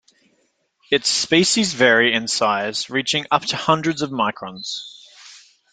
Its species vary in size reaching up to hundreds of microns.